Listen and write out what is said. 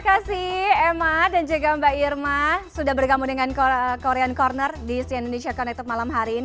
terima kasih emma dan juga mbak irma sudah bergabung dengan korean corner di si indonesia connected malam hari ini